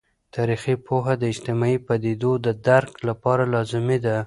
تاریخي پوهه د اجتماعي پدیدو د درک لپاره لازمي ده.